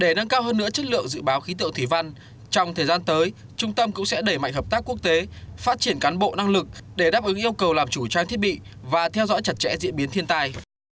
để nâng cao hơn nữa chất lượng dự báo khí tượng thủy văn trong thời gian tới trung tâm cũng sẽ đẩy mạnh hợp tác quốc tế phát triển cán bộ năng lực để đáp ứng yêu cầu làm chủ trang thiết bị và theo dõi chặt chẽ diễn biến thiên tài